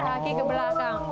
oh kaki ke belakang